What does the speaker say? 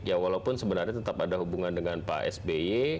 ya walaupun sebenarnya tetap ada hubungan dengan pak sby